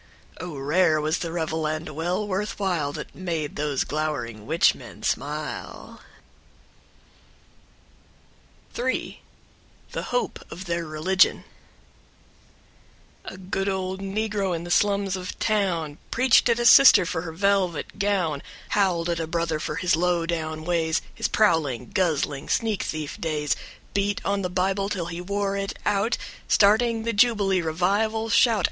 # Oh rare was the revel, and well worth while That made those glowering witch men smile. III. The Hope of their Religion # Heavy bass. With a literal imitation of camp meeting racket, and trance. # A good old negro in the slums of the town Preached at a sister for her velvet gown. Howled at a brother for his low down ways, His prowling, guzzling, sneak thief days. Beat on the Bible till he wore it out Starting the jubilee revival shout.